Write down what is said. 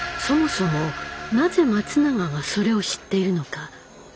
そもそもなぜ松永がそれを知っているのか。